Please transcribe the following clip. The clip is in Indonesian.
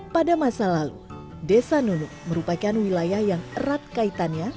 pada masa lalu desa nunuk merupakan wilayah yang erat kaitannya